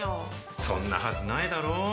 そんなはずないだろう。